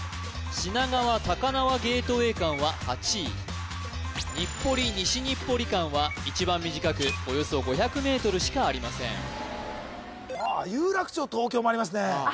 品川高輪ゲートウェイ間は８位日暮里西日暮里間は一番短くおよそ５００ｍしかありませんあっ有楽町東京もありますね